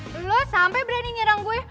hah lo sampai berani nyerang gue